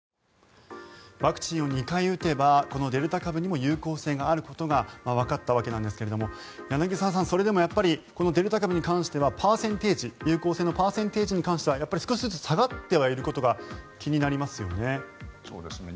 ワクチンを２回打てばこのデルタ株にも有効性があることがわかったわけなんですが柳澤さん、それでもやっぱりこのデルタ株に関しては有効性のパーセンテージに関しては少しずつ下がってはいることが気になりますよね。